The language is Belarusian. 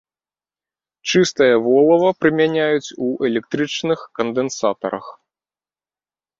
Чыстае волава прымяняюць у электрычных кандэнсатарах.